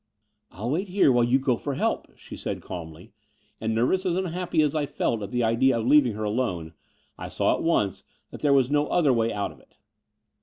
I'll wait here while you go for help," she said calmly; and, nervous and imhappy as I felt at the idea of leaving her alone, I saw at once that there was no other way out of it.